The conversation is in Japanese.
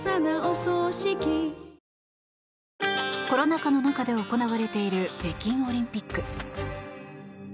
コロナ禍の中で行われている北京オリンピック。